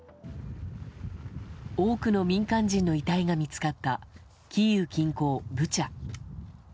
多くの民間人の遺体が見つかったキーウ近郊ブチャ。